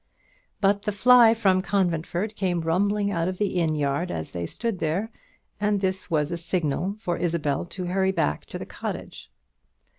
But the fly from Conventford came rumbling out of the inn yard as they stood there, and this was a signal for Isabel to hurry back to the cottage.